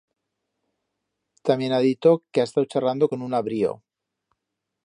Tamién ha dito que ha estau charrando con un abrío.